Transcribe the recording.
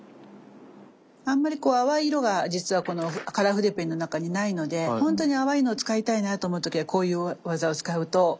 あんまり淡い色が実はこのカラー筆ペンの中にないので本当に淡いのを使いたいなと思う時はこういう技を使うと。